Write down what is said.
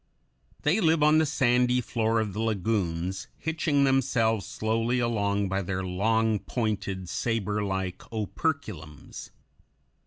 They live on the sandy floor of the lagoons, hitching themselves slowly along by their long pointed, saberlike operculums.